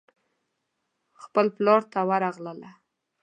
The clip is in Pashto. خپل پلار ته ورغله.